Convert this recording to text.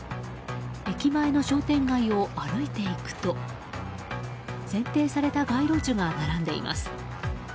駅前の商店街を歩いていくと剪定された街路樹が並んでいます。